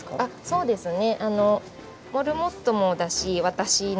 そうですね。